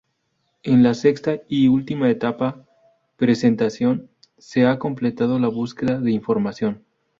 En la sexta y última etapa, presentación, se ha completado la búsqueda de información.